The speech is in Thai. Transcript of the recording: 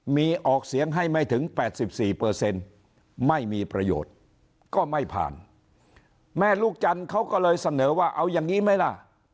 มีออกเสียงให้ไม่ถึงแปดสิบสี่เปอร์เซ็นต์ไม่มีประโยชน์ก็ไม่ผ่านแม่ลูกจันทร์เขาก็เลยเสนอว่าเอายังงี้ไหมล่ะ